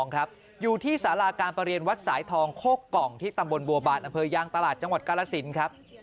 การประเรียนวัดสายทองโค้กกล่องที่ตำบลบัวบาทอเภย่างตลาดจังหวัดกาลสินครับ